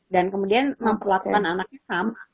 dan kemudian memperlakukan anaknya sama